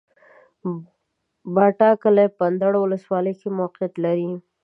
باټا کلی په اندړ ولسوالۍ کي موقعيت لري